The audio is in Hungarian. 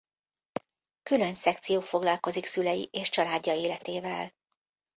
Külön szekció foglalkozik szülei és családja életével.